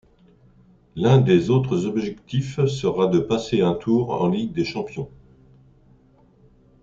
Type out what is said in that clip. L'un des autres objectifs sera de passer un tour en Ligue des Champions.